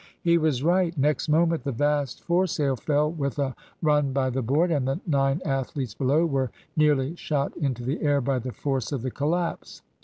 He was right. Next moment the vast foresail fell with a run by the board, and the nine athletes below were nearly shot into the air by the force of the collapse.